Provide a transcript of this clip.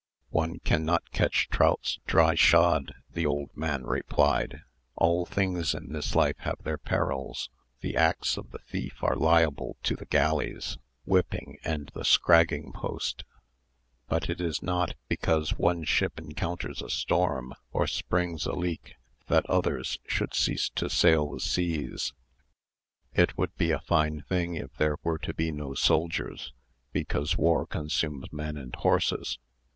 "One cannot catch trouts dry shod," the old man replied: "all things in this life have their perils: the acts of the thief are liable to the galleys, whipping, and the scragging post; but it is not because one ship encounters a storm, or springs a leak, that others should cease to sail the seas. It would be a fine thing if there were to be no soldiers, because war consumes men and horses.